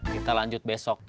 kita lanjut besok